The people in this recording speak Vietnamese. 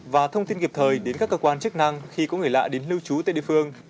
và thông tin kịp thời đến các cơ quan chức năng khi có người lạ đến lưu trú tại địa phương